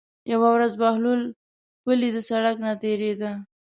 یوه ورځ بهلول پلي د سړک نه تېرېده.